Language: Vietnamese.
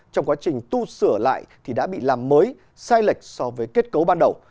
trong quá trình tu sửa lại thì đã bị làm mới sai lệch so với kết cấu ban đầu